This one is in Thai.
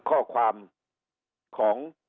ข้อความของ